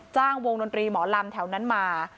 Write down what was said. จ้างวงดนตรีหมอลำแถวนั้นมา